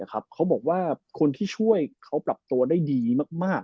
เขาบอกว่าคนที่ช่วยเขาปรับตัวได้ดีมาก